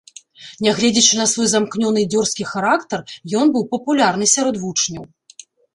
Нягледзячы на свой замкнёны і дзёрзкі характар, ён быў папулярны сярод вучняў.